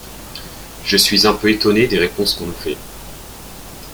Je suis un peu étonné des réponses qu’on nous fait.